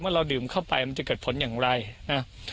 เราดื่มเข้าไปมันจะเกิดผลอย่างไรนะ